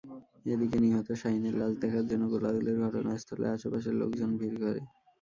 এদিকে নিহত শাহীনের লাশ দেখার জন্য গোলাগুলির ঘটনাস্থলের আশপাশের লোকজন ভিড় করে।